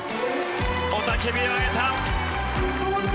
雄たけびを上げた。